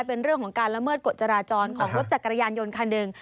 เป็นเรื่องของการละเมิดกฎจราจรของรถจักรยานยนต์คันหนึ่ง